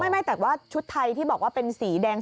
ไม่แต่ว่าชุดไทยที่บอกว่าเป็นสีแดง